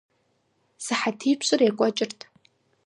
СыхьэтипщӀыр екӀуэкӀырт.